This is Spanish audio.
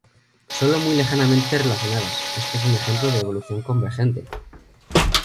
Sólo muy lejanamente relacionadas, esto es un ejemplo de evolución convergente.